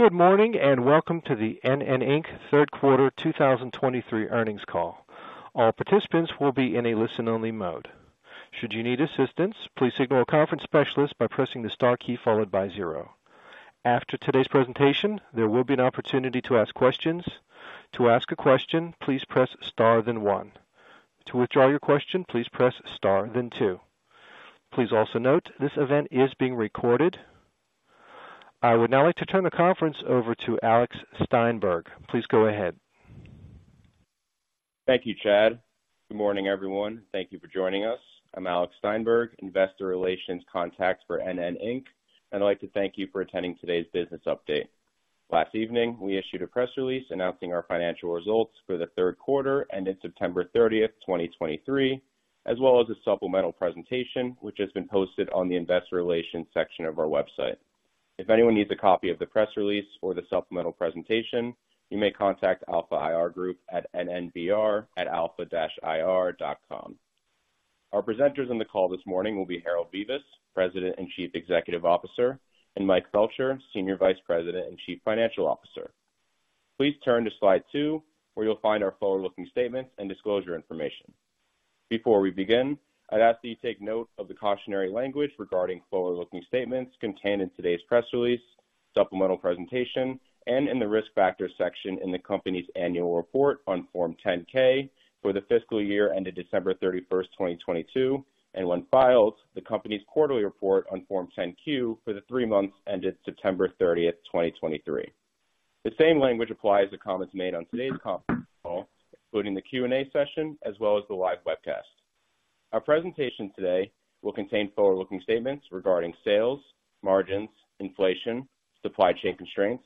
Good morning, and welcome to the NN, Inc. Q3 2023 earnings call. All participants will be in a listen-only mode. Should you need assistance, please signal a conference specialist by pressing the star key followed by zero. After today's presentation, there will be an opportunity to ask questions. To ask a question, please press Star then one. To withdraw your question, please press Star then two. Please also note, this event is being recorded. I would now like to turn the conference over to Alex Steinberg. Please go ahead. Thank you, Chad. Good morning, everyone. Thank you for joining us. I'm Alec Steinberg, investor relations contact for NN, Inc., and I'd like to thank you for attending today's business update. Last evening, we issued a press release announcing our financial results for the Q3, ending September 30th, 2023, as well as a supplemental presentation, which has been posted on the investor relations section of our website. If anyone needs a copy of the press release or the supplemental presentation, you may contact Alpha IR Group at nnbr@alpha-ir.com. Our presenters on the call this morning will be Harold Bevis, President and Chief Executive Officer, and Mike Felcher, Senior Vice President and Chief Financial Officer. Please turn to slide two, where you'll find our forward-looking statements and disclosure information. Before we begin, I'd ask that you take note of the cautionary language regarding forward-looking statements contained in today's press release, supplemental presentation, and in the Risk Factors section in the company's annual report on Form 10-K for the fiscal year ended December 31, 2022, and when filed, the company's quarterly report on Form 10-Q for the three months ended September 30, 2023. The same language applies to comments made on today's conference call, including the Q&A session, as well as the live webcast. Our presentation today will contain forward-looking statements regarding sales, margins, inflation, supply chain constraints,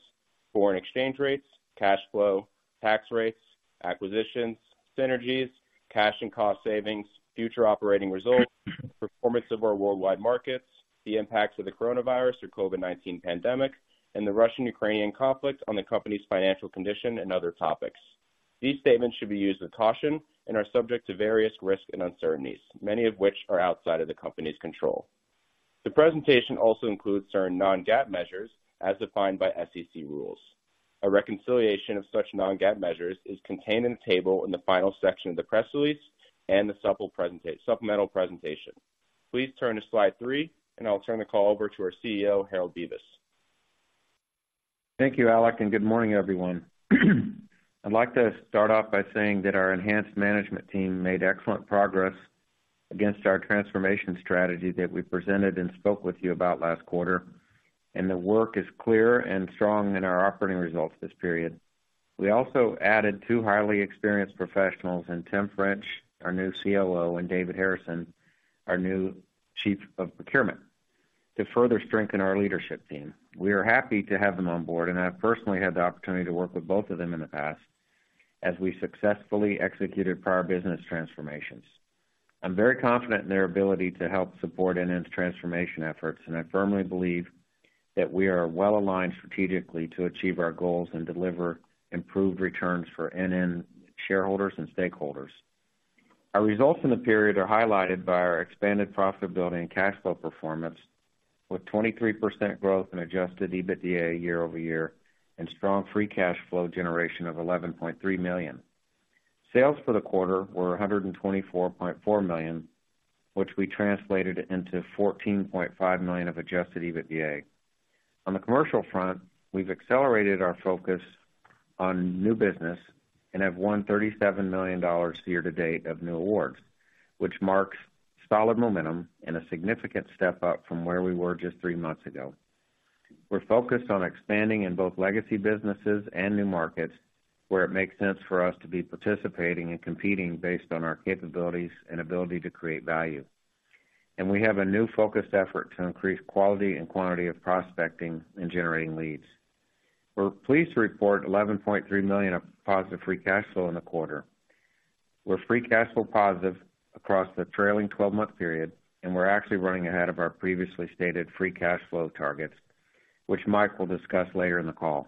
foreign exchange rates, cash flow, tax rates, acquisitions, synergies, cash and cost savings, future operating results, performance of our worldwide markets, the impacts of the coronavirus or COVID-19 pandemic, and the Russian-Ukrainian conflict on the company's financial condition and other topics. These statements should be used with caution and are subject to various risks and uncertainties, many of which are outside of the company's control. The presentation also includes certain non-GAAP measures as defined by SEC rules. A reconciliation of such non-GAAP measures is contained in a table in the final section of the press release and the supplemental presentation. Please turn to slide three, and I'll turn the call over to our CEO, Harold Bevis. Thank you, Alec, and good morning, everyone. I'd like to start off by saying that our enhanced management team made excellent progress against our transformation strategy that we presented and spoke with you about last quarter, and the work is clear and strong in our operating results this period. We also added two highly experienced professionals in Tim French, our new COO, and David Harrison, our new Chief Procurement Officer, to further strengthen our leadership team. We are happy to have them on board, and I've personally had the opportunity to work with both of them in the past as we successfully executed prior business transformations. I'm very confident in their ability to help support NN's transformation efforts, and I firmly believe that we are well aligned strategically to achieve our goals and deliver improved returns for NN shareholders and stakeholders. Our results in the period are highlighted by our expanded profitability and cash flow performance, with 23% growth in adjusted EBITDA year-over-year, and strong free cash flow generation of $11.3 million. Sales for the quarter were $124.4 million, which we translated into $14.5 million of adjusted EBITDA. On the commercial front, we've accelerated our focus on new business and have won $37 million year to date of new awards, which marks solid momentum and a significant step up from where we were just three months ago. We're focused on expanding in both legacy businesses and new markets, where it makes sense for us to be participating and competing based on our capabilities and ability to create value. We have a new focused effort to increase quality and quantity of prospecting and generating leads. We're pleased to report $11.3 million of positive free cash flow in the quarter. We're free cash flow positive across the trailing 12-month period, and we're actually running ahead of our previously stated free cash flow targets, which Mike will discuss later in the call.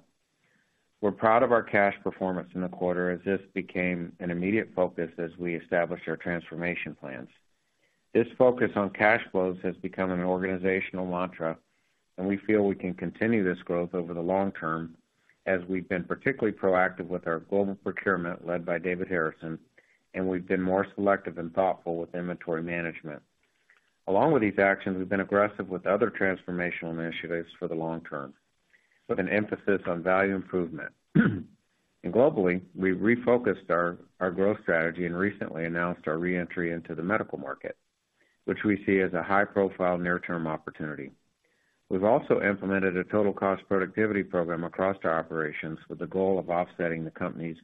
We're proud of our cash performance in the quarter as this became an immediate focus as we established our transformation plans. This focus on cash flows has become an organizational mantra, and we feel we can continue this growth over the long term, as we've been particularly proactive with our global procurement, led by David Harrison, and we've been more selective and thoughtful with inventory management. Along with these actions, we've been aggressive with other transformational initiatives for the long term, with an emphasis on value improvement. Globally, we've refocused our growth strategy and recently announced our re-entry into the medical market, which we see as a high-profile, near-term opportunity. We've also implemented a total cost productivity program across our operations with the goal of offsetting the company's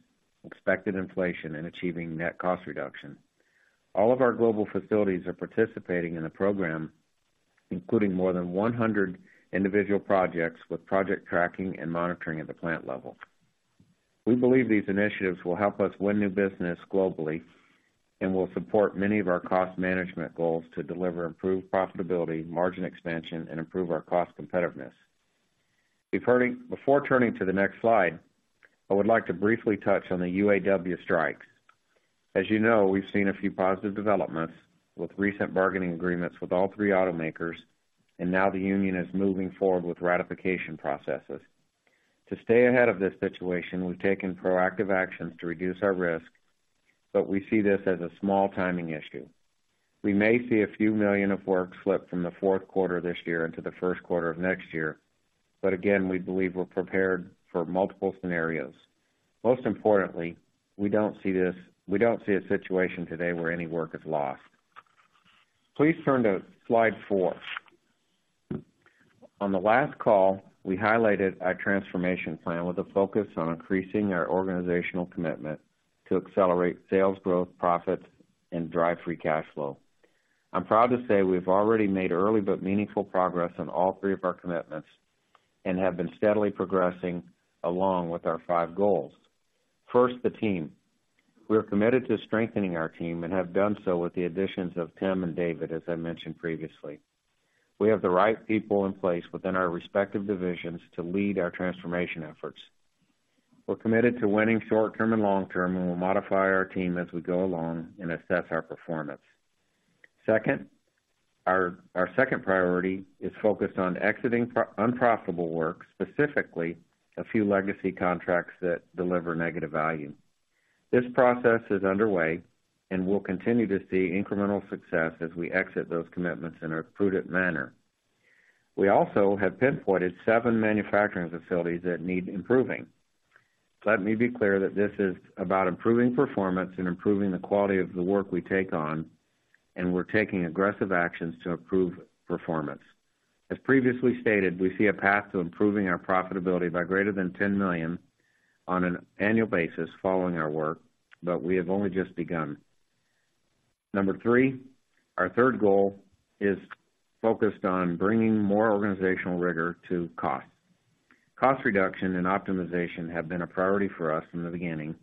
expected inflation and achieving net cost reduction. All of our global facilities are participating in the program, including more than 100 individual projects, with project tracking and monitoring at the plant level. We believe these initiatives will help us win new business globally and will support many of our cost management goals to deliver improved profitability, margin expansion, and improve our cost competitiveness. Before turning to the next slide, I would like to briefly touch on the UAW strikes. As you know, we've seen a few positive developments with recent bargaining agreements with all three automakers, and now the union is moving forward with ratification processes. To stay ahead of this situation, we've taken proactive actions to reduce our risk, but we see this as a small timing issue. We may see a few million of work slip from the Q4 this year into the Q1 of next year, but again, we believe we're prepared for multiple scenarios. Most importantly, we don't see this, we don't see a situation today where any work is lost. Please turn to slide four. On the last call, we highlighted our transformation plan with a focus on increasing our organizational commitment to accelerate sales growth, profits, and drive free cash flow. I'm proud to say we've already made early but meaningful progress on all three of our commitments, and have been steadily progressing along with our five goals. First, the team we are committed to strengthening our team and have done so with the additions of Tim and David, as I mentioned previously. We have the right people in place within our respective divisions to lead our transformation efforts. We're committed to winning short-term and long-term, and we'll modify our team as we go along and assess our performance. Second, our second priority is focused on exiting unprofitable work, specifically, a few legacy contracts that deliver negative value. This process is underway, and we'll continue to see incremental success as we exit those commitments in a prudent manner. We also have pinpointed seven manufacturing facilities that need improving. Let me be clear that this is about improving performance and improving the quality of the work we take on, and we're taking aggressive actions to improve performance. As previously stated, we see a path to improving our profitability by greater than $10 million on an annual basis following our work, but we have only just begun. Number three, our third goal is focused on bringing more organizational rigor to cost. Cost reduction and optimization have been a priority for us from the beginning,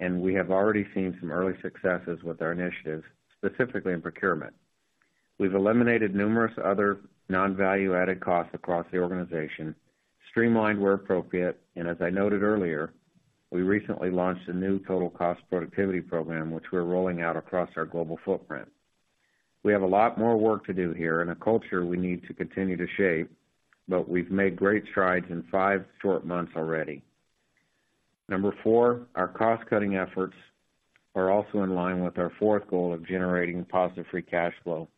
and we have already seen some early successes with our initiatives, specifically in procurement. We've eliminated numerous other non-value-added costs across the organization, streamlined where appropriate, and as I noted earlier, we recently launched a new total cost productivity program, which we're rolling out across our global footprint. We have a lot more work to do here and a culture we need to continue to shape, but we've made great strides in five short months already. Number four, our cost-cutting efforts are also in line with our fourth goal of generating positive free cash flow.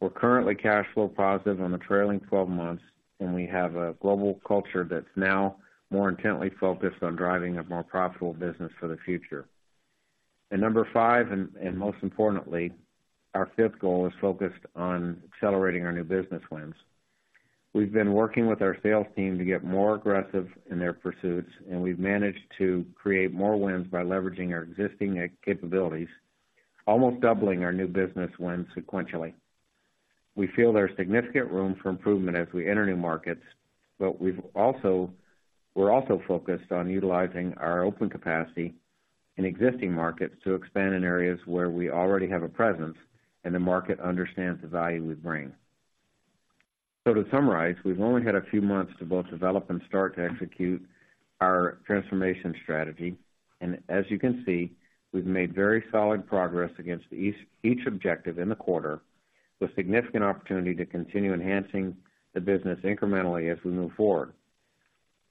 We're currently cash flow positive on the trailing twelve months, and we have a global culture that's now more intently focused on driving a more profitable business for the future. Number five, and most importantly, our fifth goal is focused on accelerating our new business wins. We've been working with our sales team to get more aggressive in their pursuits, and we've managed to create more wins by leveraging our existing capabilities, almost doubling our new business wins sequentially. We feel there's significant room for improvement as we enter new markets, but we're also focused on utilizing our open capacity in existing markets to expand in areas where we already have a presence and the market understands the value we bring. To summarize, we've only had a few months to both develop and start to execute our transformation strategy, and as you can see, we've made very solid progress against each objective in the quarter, with significant opportunity to continue enhancing the business incrementally as we move forward.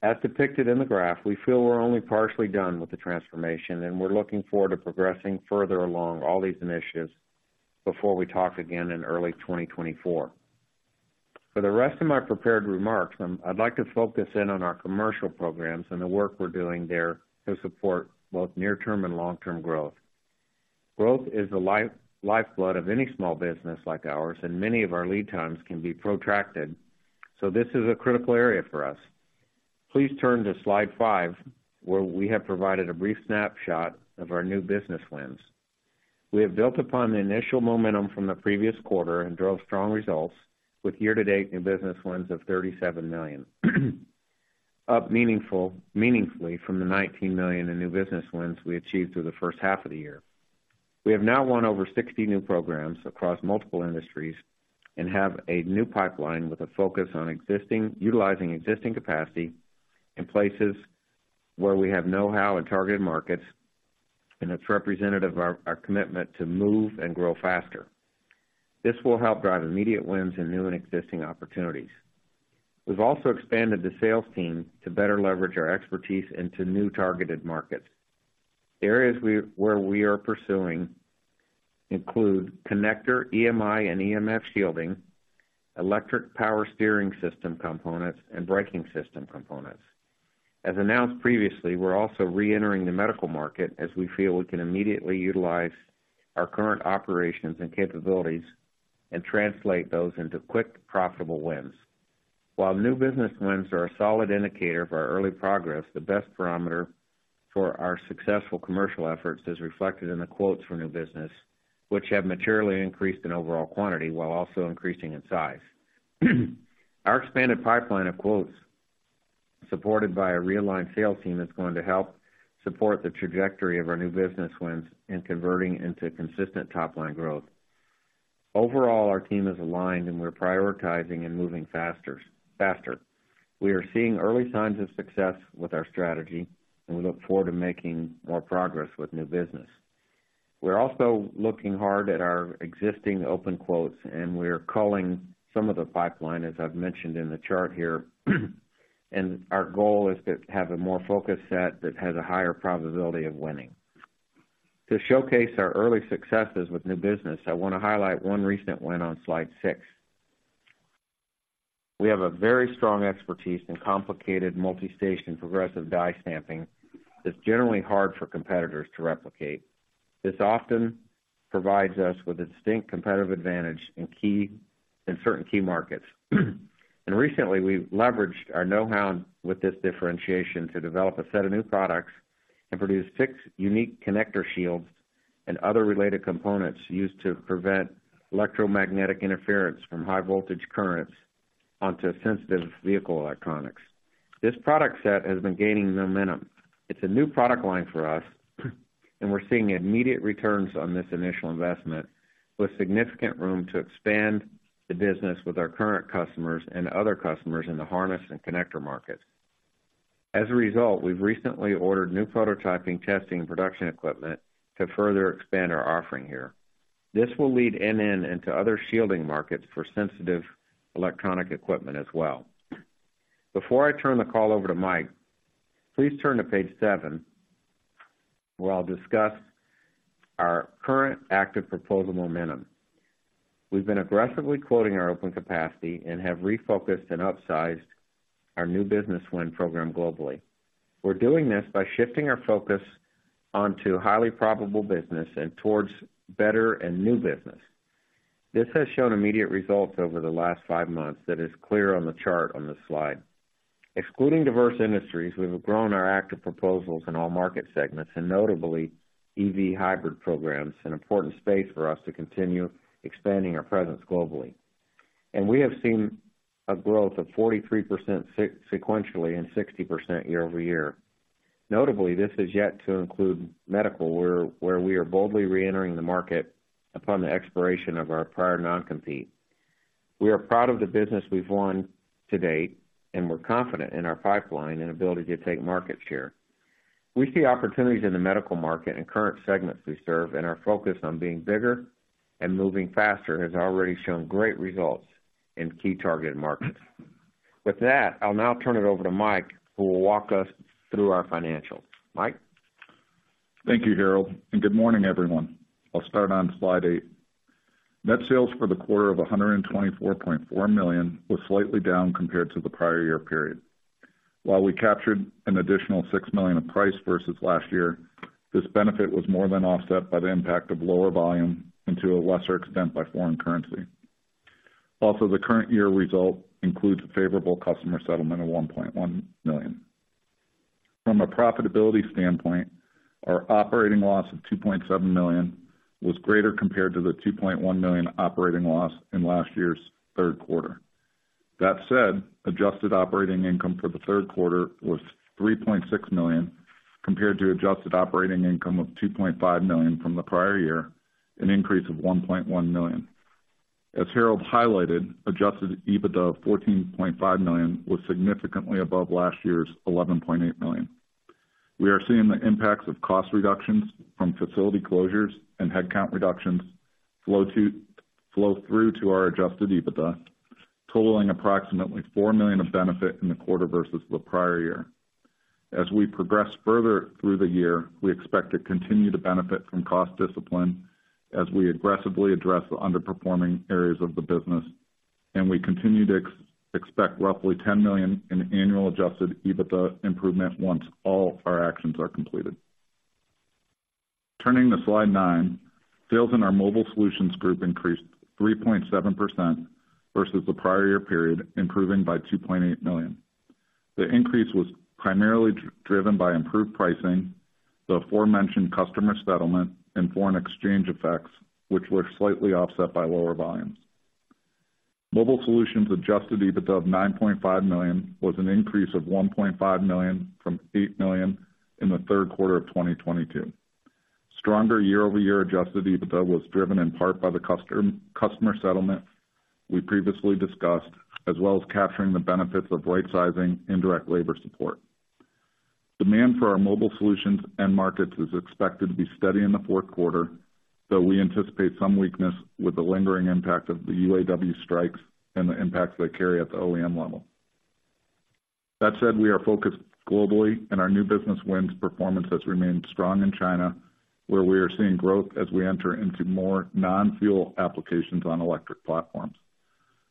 As depicted in the graph, we feel we're only partially done with the transformation, and we're looking forward to progressing further along all these initiatives before we talk again in early 2024. For the rest of my prepared remarks, I'd like to focus in on our commercial programs and the work we're doing there to support both near-term and long-term growth. Growth is the lifeblood of any small business like ours, and many of our lead times can be protracted, so this is a critical area for us. Please turn to slide five, where we have provided a brief snapshot of our new business wins. We have built upon the initial momentum from the previous quarter and drove strong results with year-to-date new business wins of $37 million. Up meaningfully from the $19 million in new business wins we achieved through the H1 of the year. We have now won over 60 new programs across multiple industries and have a new pipeline with a focus on utilizing existing capacity in places where we have know-how in targeted markets, and it's representative of our, our commitment to move and grow faster. This will help drive immediate wins in new and existing opportunities. We've also expanded the sales team to better leverage our expertise into new targeted markets. Areas where we are pursuing include connector, EMI, and EMF shielding, electric power steering system components, and braking system components. As announced previously, we're also reentering the medical market as we feel we can immediately utilize our current operations and capabilities and translate those into quick, profitable wins. While new business wins are a solid indicator of our early progress, the best barometer for our successful commercial efforts is reflected in the quotes for new business, which have materially increased in overall quantity while also increasing in size. Our expanded pipeline of quotes, supported by a realigned sales team, is going to help support the trajectory of our new business wins in converting into consistent top-line growth.... Overall, our team is aligned, and we're prioritizing and moving faster, faster. We are seeing early signs of success with our strategy, and we look forward to making more progress with new business. We're also looking hard at our existing open quotes, and we are culling some of the pipeline, as I've mentioned in the chart here. Our goal is to have a more focused set that has a higher probability of winning. To showcase our early successes with new business, I want to highlight one recent win on slide six. We have a very strong expertise in complicated multi-station progressive die stamping that's generally hard for competitors to replicate. This often provides us with a distinct competitive advantage in key, in certain key markets. Recently, we've leveraged our know-how with this differentiation to develop a set of new products and produce six unique connector shields and other related components used to prevent electromagnetic interference from high voltage currents onto sensitive vehicle electronics. This product set has been gaining momentum. It's a new product line for us, and we're seeing immediate returns on this initial investment, with significant room to expand the business with our current customers and other customers in the harness and connector market. As a result, we've recently ordered new prototyping, testing, and production equipment to further expand our offering here. This will lead NN into other shielding markets for sensitive electronic equipment as well. Before I turn the call over to Mike, please turn to page seven, where I'll discuss our current active proposal momentum. We've been aggressively quoting our open capacity and have refocused and upsized our new business win program globally. We're doing this by shifting our focus onto highly probable business and towards better and new business. This has shown immediate results over the last five months, that is clear on the chart on this slide. Excluding diverse industries, we've grown our active proposals in all market segments, and notably, EV hybrid programs, an important space for us to continue expanding our presence globally. We have seen a growth of 43% sequentially and 60% year-over-year. Notably, this is yet to include medical, where we are boldly reentering the market upon the expiration of our prior non-compete. We are proud of the business we've won to date, and we're confident in our pipeline and ability to take market share. We see opportunities in the medical market and current segments we serve, and our focus on being bigger and moving faster has already shown great results in key target markets. With that, I'll now turn it over to Mike, who will walk us through our financials. Mike? Thank you, Harold, and good morning, everyone. I'll start on slide 8. Net sales for the quarter of $124.4 million was slightly down compared to the prior year period. While we captured an additional $6 million in price versus last year, this benefit was more than offset by the impact of lower volume and to a lesser extent, by foreign currency. Also, the current year result includes a favorable customer settlement of $1.1 million. From a profitability standpoint, our operating loss of $2.7 million was greater compared to the $2.1 million operating loss in last year's Q3. That said, adjusted operating income for the Q3 was $3.6 million, compared to adjusted operating income of $2.5 million from the prior year, an increase of $1.1 million. As Harold highlighted, adjusted EBITDA of $14.5 million was significantly above last year's $11.8 million. We are seeing the impacts of cost reductions from facility closures and headcount reductions flow through to our adjusted EBITDA, totaling approximately $4 million of benefit in the quarter versus the prior year. As we progress further through the year, we expect to continue to benefit from cost discipline as we aggressively address the underperforming areas of the business, and we continue to expect roughly $10 million in annual adjusted EBITDA improvement once all our actions are completed. Turning to slide nine, sales in our Mobile Solutions group increased 3.7% versus the prior year period, improving by $2.8 million. The increase was primarily driven by improved pricing, the aforementioned customer settlement, and foreign exchange effects, which were slightly offset by lower volumes. Mobile Solutions adjusted EBITDA of $9.5 million was an increase of $1.5 million from $8 million in the Q3 of 2022. Stronger year-over-year adjusted EBITDA was driven in part by the customer settlement we previously discussed, as well as capturing the benefits of rightsizing indirect labor support. Demand for our Mobile Solutions end markets is expected to be steady in the Q4, though we anticipate some weakness with the lingering impact of the UAW strikes and the impacts they carry at the OEM level. That said, we are focused globally, and our new business wins performance has remained strong in China, where we are seeing growth as we enter into more non-fuel applications on electric platforms.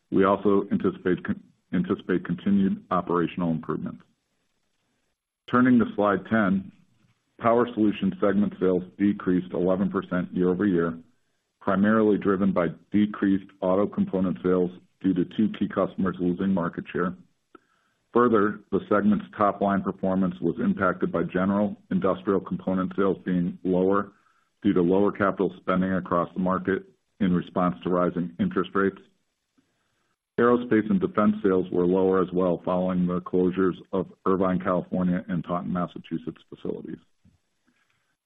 We also anticipate continued operational improvement. Turning to slide 10, Power Solutions segment sales decreased 11% year-over-year, primarily driven by decreased auto component sales due to two key customers losing market share. Further, the segment's top-line performance was impacted by general industrial component sales being lower due to lower capital spending across the market in response to rising interest rates. Aerospace and defense sales were lower as well, following the closures of Irvine, California, and Taunton, Massachusetts, facilities.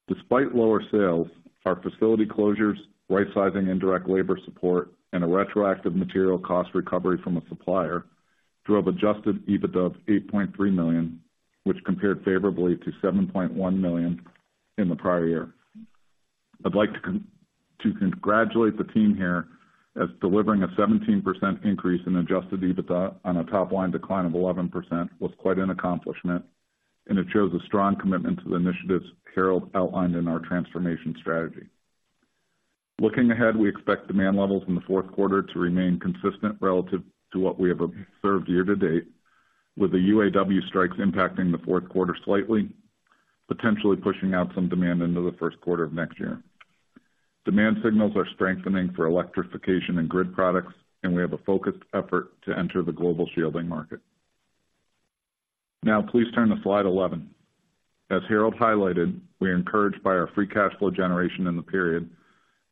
Despite lower sales, our facility closures, rightsizing, indirect labor support, and a retroactive material cost recovery from a supplier drove adjusted EBITDA of $8.3 million, which compared favorably to $7.1 million in the prior year. I'd like to congratulate the team here as delivering a 17% increase in adjusted EBITDA on a top line decline of 11% was quite an accomplishment, and it shows a strong commitment to the initiatives Harold outlined in our transformation strategy. Looking ahead, we expect demand levels in the Q4 to remain consistent relative to what we have observed year to date, with the UAW strikes impacting the Q4 slightly, potentially pushing out some demand into the Q1 of next year. Demand signals are strengthening for electrification and grid products, and we have a focused effort to enter the global shielding market. Now please turn to slide 11. As Harold highlighted, we are encouraged by our free cash flow generation in the period,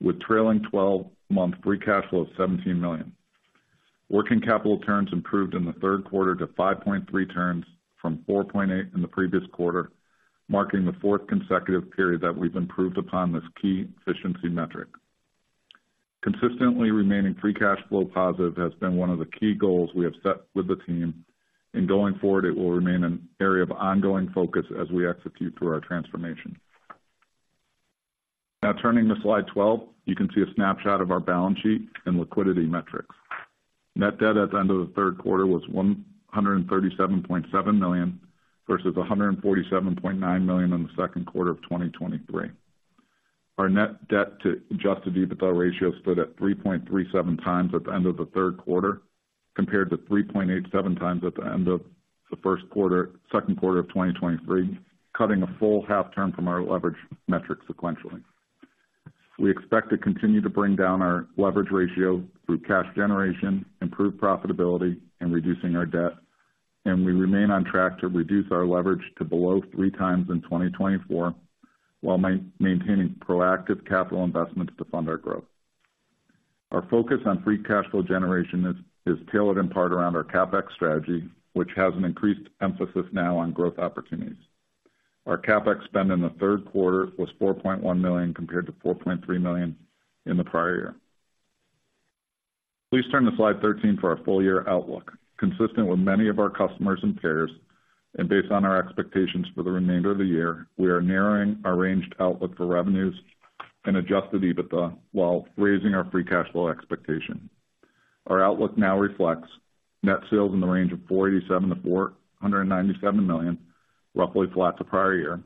with trailing 12-month free cash flow of $17 million. Working capital turns improved in the Q3 to 5.3 turns from 4.8 in the previous quarter, marking the fourth consecutive period that we've improved upon this key efficiency metric. Consistently remaining free cash flow positive has been one of the key goals we have set with the team, and going forward, it will remain an area of ongoing focus as we execute through our transformation. Now, turning to slide 12, you can see a snapshot of our balance sheet and liquidity metrics. Net debt at the end of the Q3 was $137.7 million, versus $147.9 million in the Q2 of 2023. Our net debt to adjusted EBITDA ratio stood at 3.37 times at the end of the Q3, compared to 3.87 times at the end of the Q2 of 2023, cutting a full half turn from our leverage metric sequentially. We expect to continue to bring down our leverage ratio through cash generation, improved profitability, and reducing our debt, and we remain on track to reduce our leverage to below three times in 2024, while maintaining proactive capital investments to fund our growth. Our focus on free cash flow generation is tailored in part around our CapEx strategy, which has an increased emphasis now on growth opportunities. Our CapEx spend in the Q3 was $4.1 million, compared to $4.3 million in the prior year. Please turn to slide 13 for our full year outlook. Consistent with many of our customers and peers, and based on our expectations for the remainder of the year, we are narrowing our range outlook for revenues and adjusted EBITDA while raising our free cash flow expectation. Our outlook now reflects net sales in the range of $487 million-$497 million, roughly flat to prior year.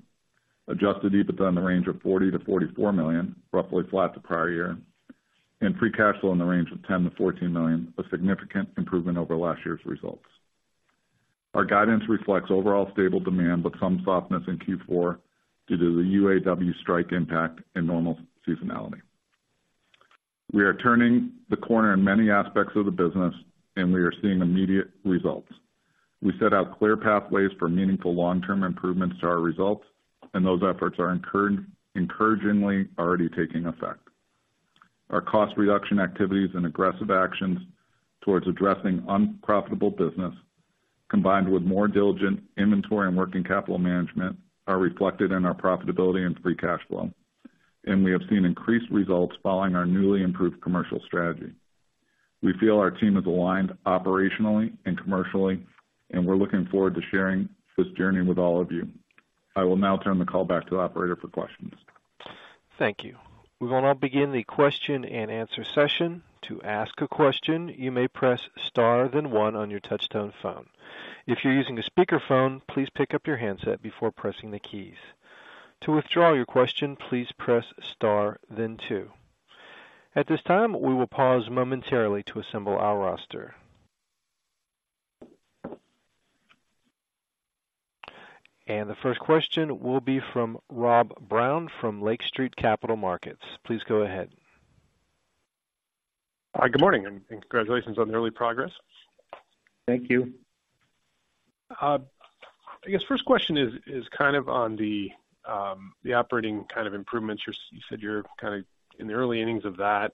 Adjusted EBITDA in the range of $40 million-$44 million, roughly flat to prior year, and free cash flow in the range of $10 million-$14 million, a significant improvement over last year's results. Our guidance reflects overall stable demand, but some softness in Q4 due to the UAW strike impact and normal seasonality. We are turning the corner in many aspects of the business, and we are seeing immediate results. We set out clear pathways for meaningful long-term improvements to our results, and those efforts are encouragingly already taking effect. Our cost reduction activities and aggressive actions towards addressing unprofitable business, combined with more diligent inventory and working capital management, are reflected in our profitability and free cash flow, and we have seen increased results following our newly improved commercial strategy. We feel our team is aligned operationally and commercially, and we're looking forward to sharing this journey with all of you. I will now turn the call back to the operator for questions. Thank you. We will now begin the question-and-answer session. To ask a question, you may press star then one on your touchtone phone. If you're using a speakerphone, please pick up your handset before pressing the keys. To withdraw your question, please press star then two. At this time, we will pause momentarily to assemble our roster. The first question will be from Rob Brown from Lake Street Capital Markets. Please go ahead. Hi, good morning, and congratulations on the early progress. Thank you. I guess first question is kind of on the operating kind of improvements. You said you're kind of in the early innings of that.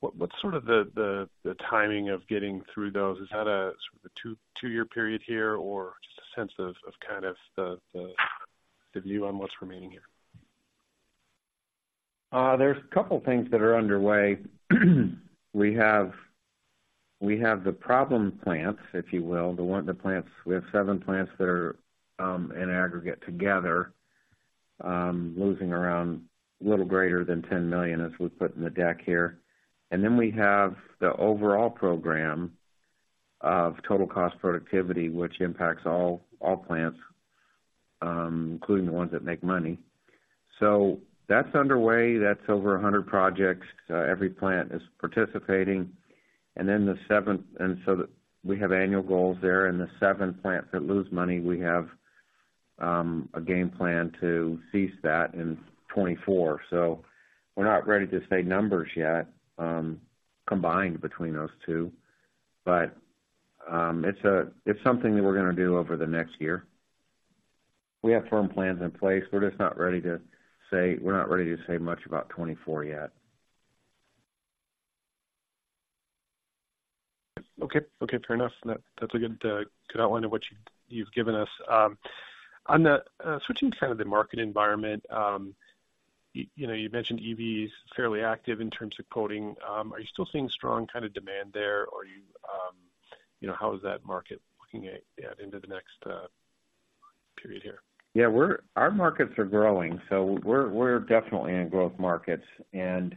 What, what's sort of the timing of getting through those? Is that a sort of a 2-year period here, or just a sense of kind of the view on what's remaining here? There's a couple things that are underway. We have, we have the problem plants, if you will. The plants, we have seven plants that are, in aggregate together, losing around a little greater than $10 million, as we put in the deck here. And then we have the overall program of total cost productivity, which impacts all, all plants, including the ones that make money. So that's underway. That's over 100 projects. Every plant is participating. And then the seven plants that lose money, we have a game plan to cease that in 2024. So we're not ready to say numbers yet, combined between those two, but it's a-- it's something that we're gonna do over the next year.... We have firm plans in place. We're just not ready to say, we're not ready to say much about 2024 yet. Okay. Okay, fair enough. That, that's a good good outline of what you, you've given us. On the switching to kind of the market environment, you, you know, you mentioned EV is fairly active in terms of quoting. Are you still seeing strong kind of demand there, or are you, you know, how is that market looking at into the next period here? Yeah, our markets are growing, so we're, we're definitely in growth markets. And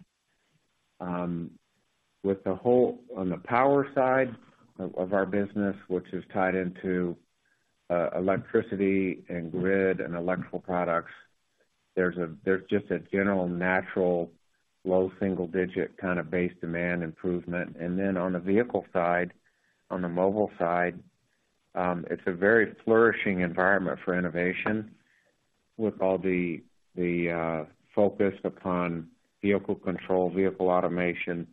with the whole, on the power side of our business, which is tied into electricity and grid and electrical products, there's just a general natural, low single digit kind of base demand improvement. And then on the vehicle side, on the mobile side, it's a very flourishing environment for innovation with all the focus upon vehicle control, vehicle automation,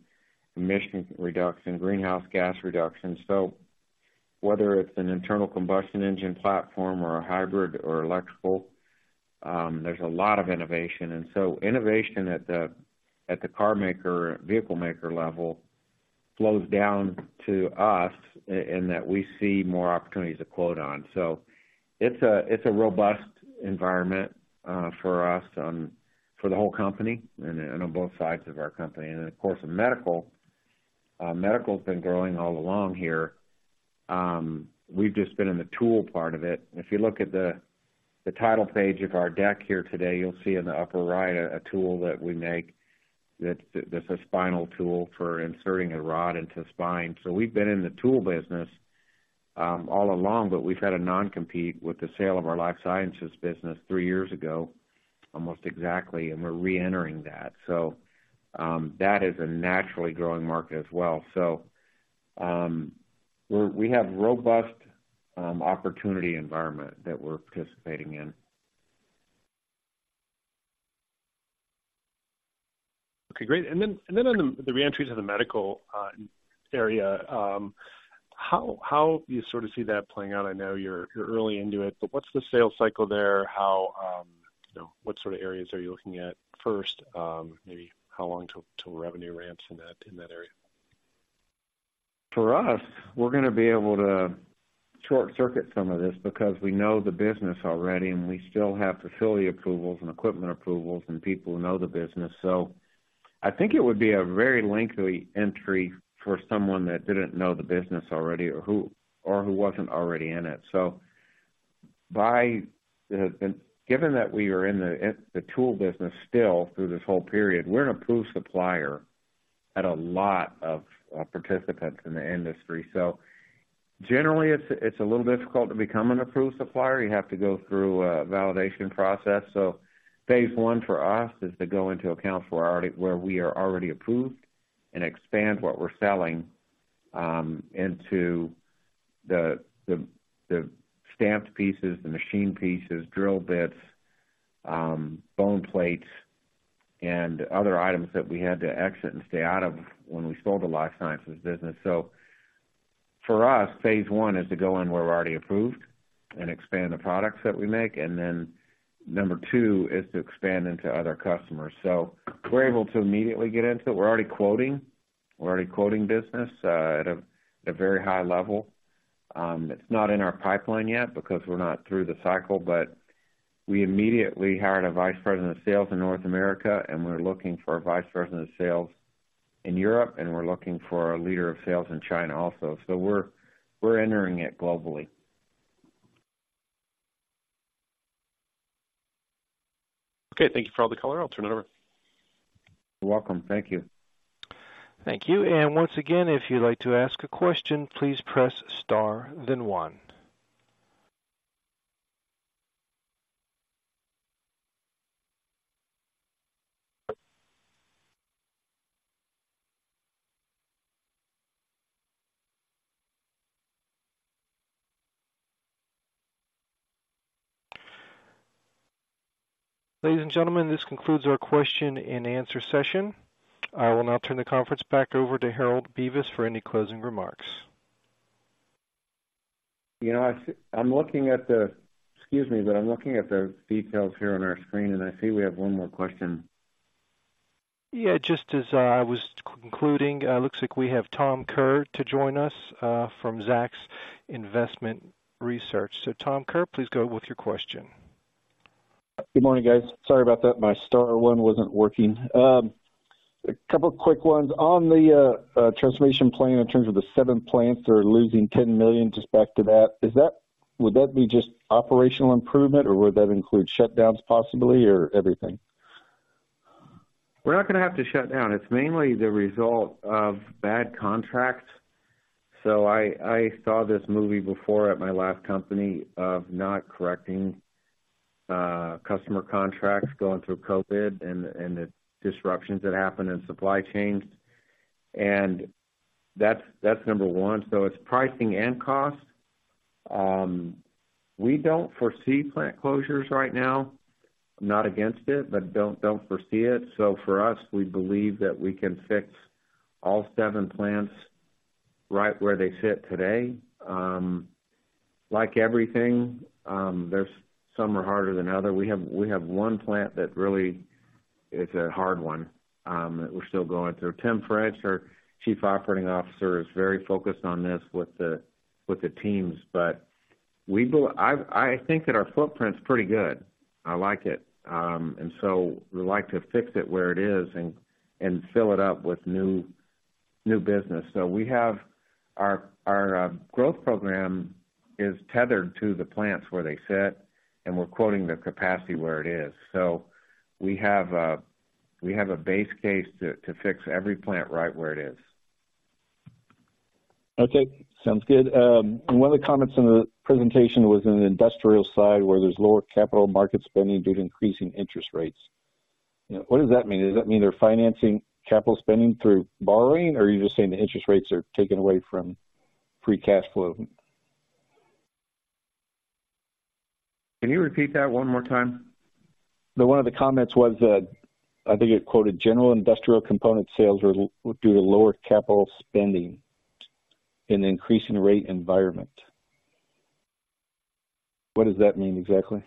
emission reduction, greenhouse gas reduction. So whether it's an internal combustion engine platform or a hybrid or electrical, there's a lot of innovation. And so innovation at the carmaker, vehicle maker level flows down to us in that we see more opportunities to quote on. So it's a robust environment for us on...for the whole company and on both sides of our company. And then, of course, in medical, medical's been growing all along here. We've just been in the tool part of it. If you look at the title page of our deck here today, you'll see in the upper right a tool that we make, that's a spinal tool for inserting a rod into the spine. So we've been in the tool business all along, but we've had a non-compete with the sale of our life sciences business three years ago, almost exactly, and we're reentering that. So, that is a naturally growing market as well. So, we have robust opportunity environment that we're participating in. Okay, great. And then on the reentry to the medical area, how do you sort of see that playing out? I know you're early into it, but what's the sales cycle there? How, you know, what sort of areas are you looking at first? Maybe how long till revenue ramps in that area? For us, we're gonna be able to short-circuit some of this because we know the business already, and we still have facility approvals and equipment approvals and people who know the business. So I think it would be a very lengthy entry for someone that didn't know the business already or who wasn't already in it. So, given that we are in the tool business still through this whole period, we're an approved supplier at a lot of participants in the industry. So generally, it's a little difficult to become an approved supplier. You have to go through a validation process. So phase I for us is to go into accounts where we are already approved and expand what we're selling into the stamped pieces, the machined pieces, drill bits, bone plates, and other items that we had to exit and stay out of when we sold the life sciences business. So for us, phase 1 is to go in where we're already approved and expand the products that we make, and then 2 is to expand into other customers. So we're able to immediately get into it. We're already quoting. We're already quoting business at a very high level. It's not in our pipeline yet because we're not through the cycle, but we immediately hired a vice president of sales in North America, and we're looking for a vice president of sales in Europe, and we're looking for a leader of sales in China also. So we're entering it globally. Okay, thank you for all the color. I'll turn it over. You're welcome. Thank you. Thank you. I will now turn the conference back over to Harold Bevis for any closing remarks. You know, I'm looking at the... Excuse me, but I'm looking at the details here on our screen, and I see we have one more question. Yeah, just as I was concluding, looks like we have Tom Kerr to join us from Zacks Investment Research. So Tom Kerr, please go with your question. Good morning, guys. Sorry about that. My star one wasn't working. A couple quick ones. On the transformation plan in terms of the seven plants that are losing $10 million just back to that, is that—would that be just operational improvement, or would that include shutdowns possibly, or everything? We're not gonna have to shut down. It's mainly the result of bad contracts. So I saw this movie before at my last company of not correcting customer contracts going through COVID and the disruptions that happened in supply chains. And that's, that's number one. So it's pricing and cost. We don't foresee plant closures right now. I'm not against it, but don't foresee it. So for us, we believe that we can fix all seven plants right where they sit today. Like everything, there's some are harder than other. We have one plant that really is a hard one that we're still going through. Tim French, our Chief Operating Officer, is very focused on this with the teams. I think that our footprint's pretty good. I like it. And so we like to fix it where it is and fill it up with new business. So we have our growth program is tethered to the plants where they sit, and we're quoting the capacity where it is. So we have a base case to fix every plant right where it is. Okay, sounds good. One of the comments in the presentation was in the industrial side, where there's lower capital market spending due to increasing interest rates. What does that mean? Does that mean they're financing capital spending through borrowing, or are you just saying the interest rates are taking away from free cash flow? Can you repeat that one more time? One of the comments was that, I think it quoted general industrial component sales were due to lower capital spending in an increasing rate environment. What does that mean exactly?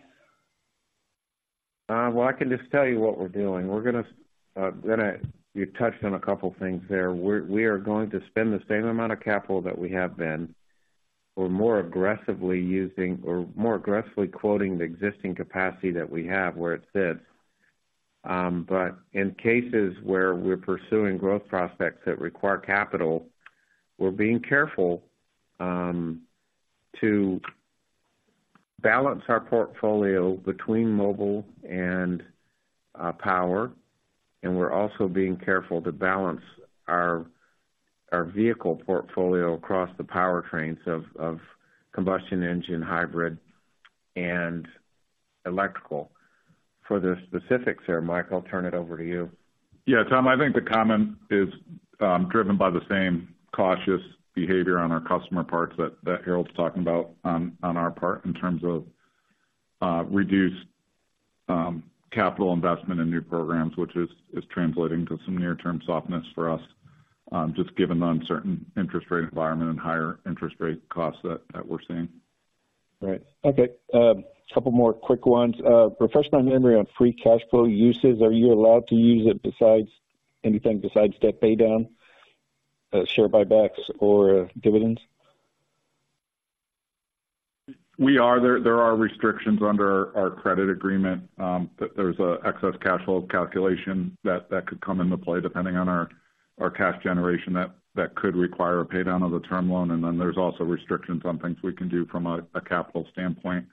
Well, I can just tell you what we're doing. We're gonna. You touched on a couple things there. We are going to spend the same amount of capital that we have been. We're more aggressively using or more aggressively quoting the existing capacity that we have, where it sits. But in cases where we're pursuing growth prospects that require capital, we're being careful to balance our portfolio between mobile and power, and we're also being careful to balance our vehicle portfolio across the powertrains of combustion engine, hybrid, and electrical. For the specifics there, Mike, I'll turn it over to you. Yeah, Tom, I think the comment is driven by the same cautious behavior on our customer parts that Harold's talking about on our part, in terms of reduced capital investment in new programs, which is translating to some near-term softness for us, just given the uncertain interest rate environment and higher interest rate costs that we're seeing. Right. Okay, a couple more quick ones. Refresh my memory on free cash flow uses. Are you allowed to use it besides anything besides debt paydown, share buybacks or dividends? We are. There are restrictions under our credit agreement, but there's an excess cash flow calculation that could come into play, depending on our cash generation, that could require a paydown of the term loan. And then there's also restrictions on things we can do from a capital standpoint,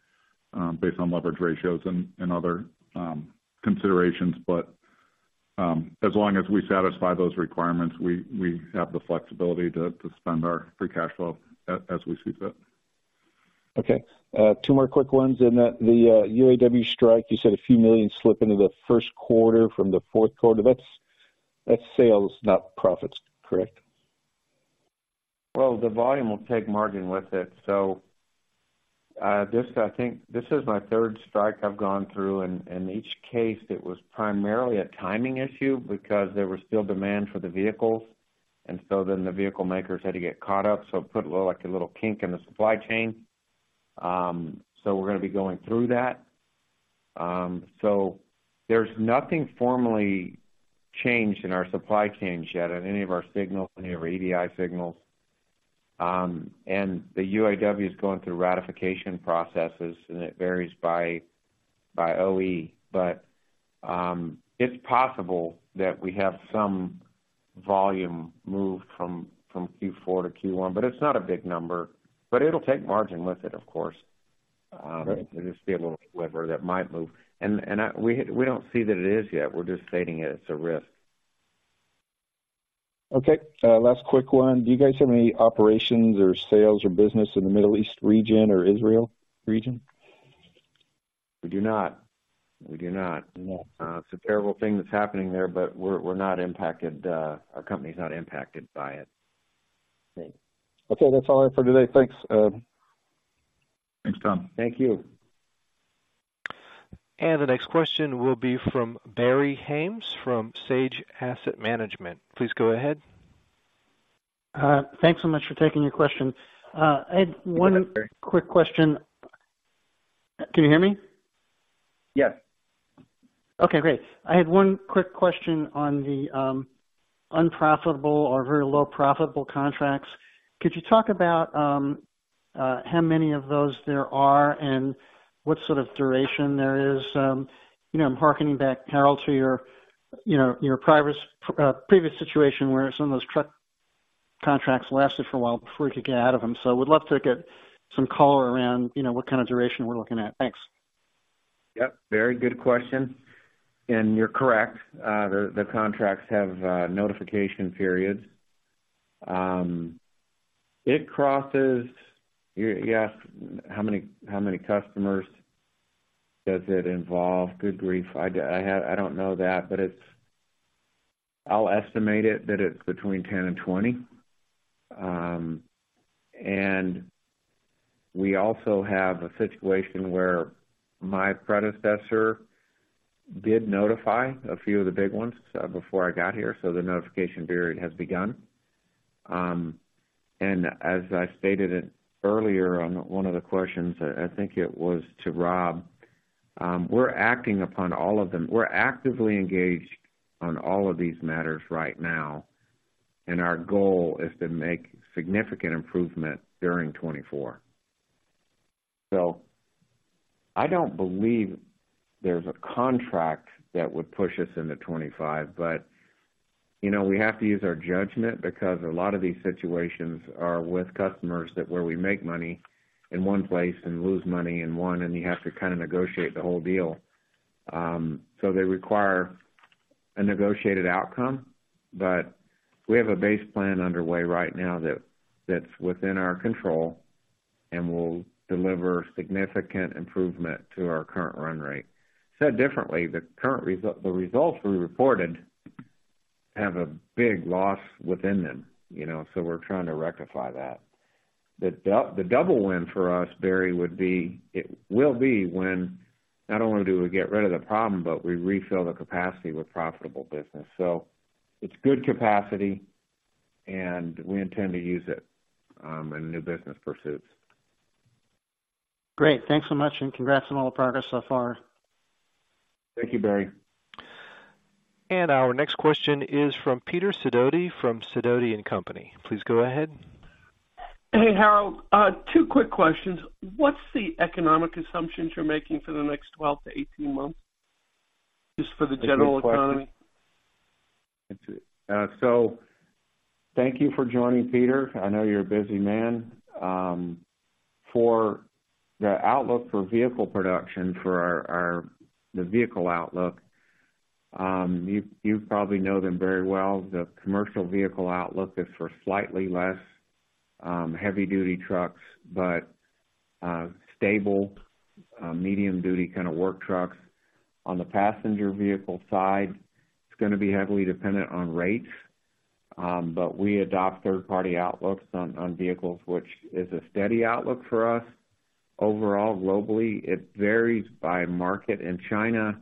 based on leverage ratios and other considerations. But, as long as we satisfy those requirements, we have the flexibility to spend our free cash flow as we see fit. Okay. Two more quick ones. In the UAW strike, you said a few million slip into the Q1 from theQ4. That's, that's sales, not profits, correct? Well, the volume will take margin with it. So, this, I think this is my third strike I've gone through, and, and each case, it was primarily a timing issue because there was still demand for the vehicles, and so then the vehicle makers had to get caught up, so it put, like, a little kink in the supply chain. So we're gonna be going through that. So there's nothing formally changed in our supply chains yet on any of our signals, any of our EDI signals. And the UAW is going through ratification processes, and it varies by, by OE. But, it's possible that we have some volume move from, from Q4 to Q1, but it's not a big number, but it'll take margin with it, of course. It'll just be a little lever that might move. We don't see that it is yet. We're just stating it. It's a risk. Okay. Last quick one: Do you guys have any operations or sales or business in the Middle East region or Israel region? We do not. We do not. No. It's a terrible thing that's happening there, but we're not impacted. Our company's not impacted by it. Great. Okay, that's all I have for today. Thanks. Thanks, Tom. Thank you. The next question will be from Barry Haimes, from Sage Asset Management. Please go ahead. Thanks so much for taking the question. I had one- Hi, Barry. Quick question. Can you hear me? Yes. Okay, great. I had one quick question on the unprofitable or very low profitable contracts. Could you talk about how many of those there are and what sort of duration there is? You know, I'm hearkening back, Harold, to your, you know, your previous situation, where some of those truck contracts lasted for a while before you could get out of them. So would love to get some color around, you know, what kind of duration we're looking at. Thanks. Yep, very good question, and you're correct. The contracts have notification periods. It crosses... You asked, how many customers does it involve? Good grief, I don't know that, but it's. I'll estimate it, that it's between 10 and 20. We also have a situation where my predecessor did notify a few of the big ones, before I got here, so the notification period has begun. And as I stated it earlier on one of the questions, I think it was to Rob, we're acting upon all of them. We're actively engaged on all of these matters right now, and our goal is to make significant improvement during 2024. So I don't believe there's a contract that would push us into 2025, but, you know, we have to use our judgment because a lot of these situations are with customers that where we make money in one place and lose money in one, and you have to kind of negotiate the whole deal. So they require a negotiated outcome, but we have a base plan underway right now that, that's within our control and will deliver significant improvement to our current run rate. Said differently, the results we reported have a big loss within them, you know, so we're trying to rectify that. The double win for us, Barry, would be, it will be when not only do we get rid of the problem, but we refill the capacity with profitable business. It's good capacity, and we intend to use it in new business pursuits. Great. Thanks so much, and congrats on all the progress so far. Thank you, Barry. Our next question is from Peter Sidoti, from Sidoti & Company. Please go ahead. Hey, Harold, two quick questions. What's the economic assumptions you're making for the next 12-18 months, just for the general economy? That's it. So thank you for joining, Peter. I know you're a busy man. For the outlook for vehicle production, for our, our... The vehicle outlook, you probably know them very well. The commercial vehicle outlook is for slightly less heavy-duty trucks, but stable medium-duty kind of work trucks. On the passenger vehicle side, it's gonna be heavily dependent on rates, but we adopt third-party outlooks on vehicles, which is a steady outlook for us. Overall, globally, it varies by market. In China,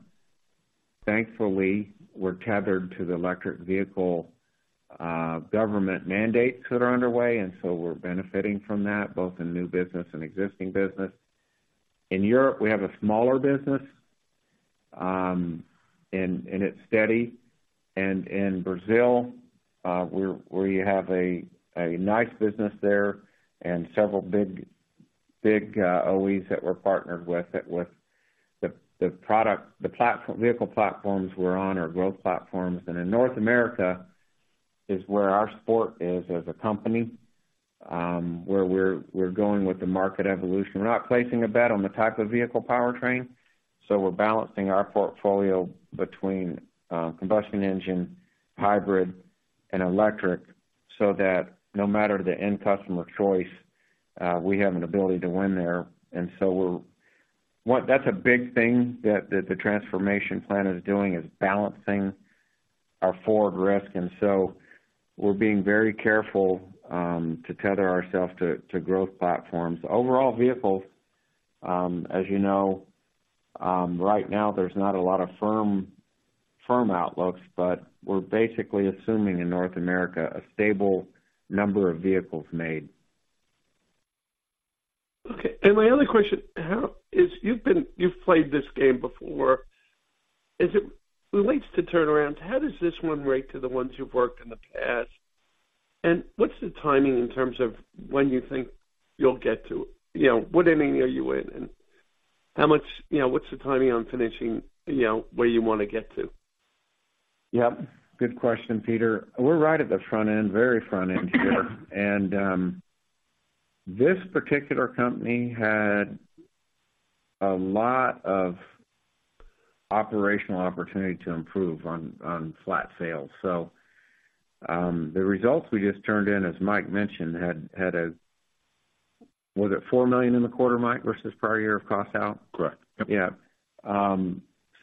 thankfully, we're tethered to the electric vehicle government mandates that are underway, and so we're benefiting from that, both in new business and existing business. In Europe, we have a smaller business, and it's steady. In Brazil, we have a nice business there and several big, big OEs that we're partnered with, that with the product, the platform-vehicle platforms we're on are growth platforms. In North America is where our forte is as a company, where we're going with the market evolution. We're not placing a bet on the type of vehicle powertrain, so we're balancing our portfolio between combustion engine, hybrid, and electric, so that no matter the end customer choice, we have an ability to win there. So that's a big thing that the transformation plan is doing, is balancing our forward risk, and so we're being very careful to tether ourselves to growth platforms. Overall, vehicles, as you know, right now, there's not a lot of firm outlooks, but we're basically assuming in North America, a stable number of vehicles made. Okay, and my other question, you've played this game before. As it relates to turnarounds, how does this one rate to the ones you've worked in the past? And what's the timing in terms of when you think you'll get to... You know, what inning are you in, and you know, what's the timing on finishing, you know, where you want to get to? Yep. Good question, Peter. We're right at the front end, very front end here. And, this particular company had a lot of operational opportunity to improve on, on flat sales. So, the results we just turned in, as Mike mentioned, had, had a... Was it $4 million in the quarter, Mike, versus prior year of cost out? Correct. Yep.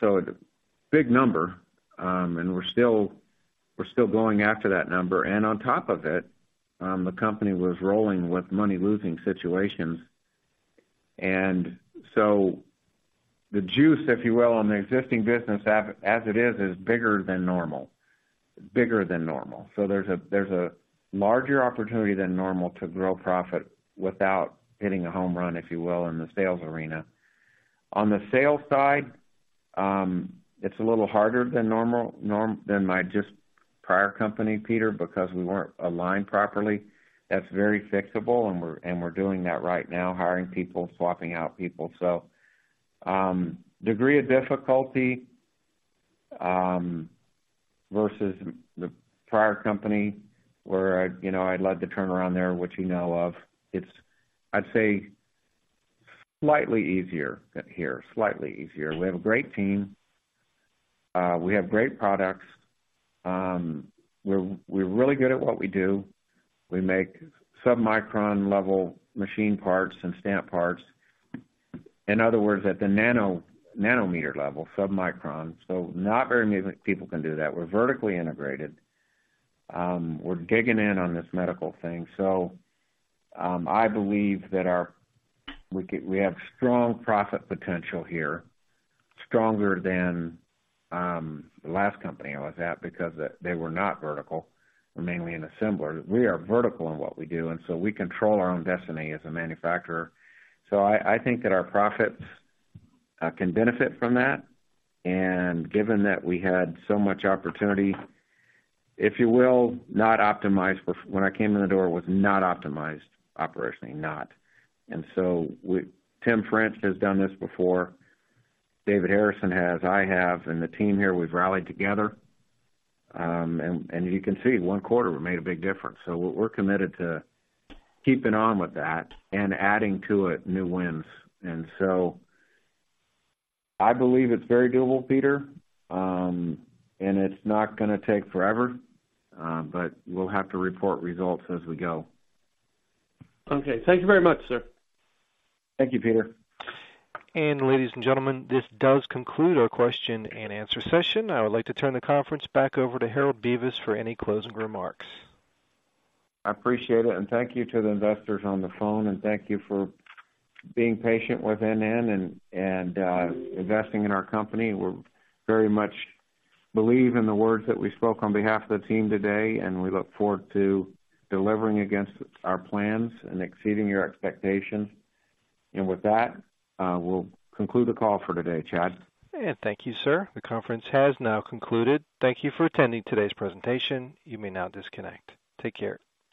So big number, and we're still, we're still going after that number, and on top of it, the company was rolling with money-losing situations. And so the juice, if you will, on the existing business as, as it is, is bigger than normal, bigger than normal. So there's a, there's a larger opportunity than normal to grow profit without hitting a home run, if you will, in the sales arena. On the sales side, it's a little harder than normal than my just prior company, Peter, because we weren't aligned properly. That's very fixable, and we're, and we're doing that right now, hiring people, swapping out people. So, degree of difficulty, versus the prior company where I, you know, I'd love to turn around there, which you know of, it's, I'd say, slightly easier here, slightly easier. We have a great team. We have great products. We're really good at what we do. We make submicron level machine parts and stamp parts. In other words, at the nanometer level, submicron, so not very many people can do that. We're vertically integrated. We're digging in on this medical thing. So, I believe that we have strong profit potential here, stronger than the last company I was at, because they were not vertical, were mainly an assembler. We are vertical in what we do, and so we control our own destiny as a manufacturer. So I think that our profits can benefit from that, and given that we had so much opportunity, if you will, not optimized... When I came in the door, it was not optimized operationally, not. And so Tim French has done this before, David Harrison has, I have, and the team here, we've rallied together. And you can see one quarter, we made a big difference. So we're committed to keeping on with that and adding to it new wins. And so I believe it's very doable, Peter, and it's not gonna take forever, but we'll have to report results as we go. Okay. Thank you very much, sir. Thank you, Peter. Ladies and gentlemen, this does conclude our question-and-answer session. I would like to turn the conference back over to Harold Bevis for any closing remarks. I appreciate it, and thank you to the investors on the phone, and thank you for being patient with NN and investing in our company. We're very much believe in the words that we spoke on behalf of the team today, and we look forward to delivering against our plans and exceeding your expectations. With that, we'll conclude the call for today, Chad. Thank you, sir. The conference has now concluded. Thank you for attending today's presentation. You may now disconnect. Take care.